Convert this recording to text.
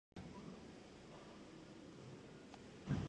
Presenta canciones como "White Bird", "Hot Summer Day" y "Time Is".